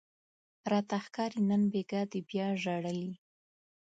راته ښکاري نن بیګاه دې بیا ژړلي